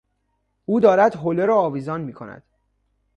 او دارد حوله را آویزان میکند.